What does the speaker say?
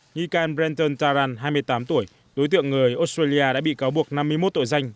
nghi can branton taran hai mươi tám tuổi đối tượng người australia đã bị cáo buộc năm mươi một tội danh